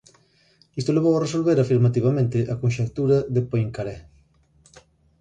Isto levou a resolver afirmativamente a conxectura de Poincaré.